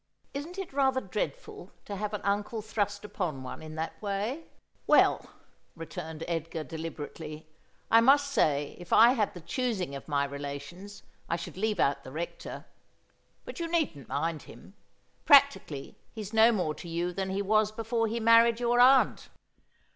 Isn't it rather dreadful to have an uncle thrust upon one in that way ?'' Well,' returned Edgar deliberately, ' I must say if I had the choosing of my relations I should leave out the Rector. But you needn't mind him. Practically he's no more to you than he was before he married your aunt.'